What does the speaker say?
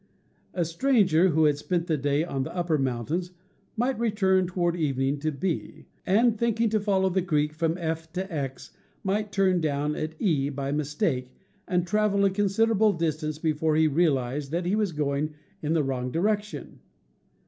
A stranger who had spent the day on the upper mountains might return toward evening to B, and, thinking to follow the creek from / to X, might turn down at e, by mis take, and travel a considerable distance before he real ized that he was going in the wrong direction.